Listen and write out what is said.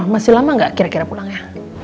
masih lama nggak kira kira pulangnya